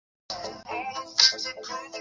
担任阜阳师范学院外国语学院副院长。